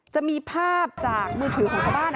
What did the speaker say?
จะมีภาพจากมือถือของชาวบ้าน